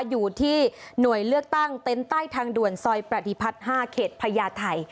อยู่ที่หน่วยเลือกตั้งเต็นต์ใต้ทางด่วนซอยประดิพัฒน์๕เขตพญาไทย